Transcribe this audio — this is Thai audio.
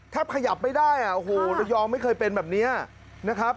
แทบขยับไม่ได้ระยองไม่เคยเป็นแบบนี้นะครับ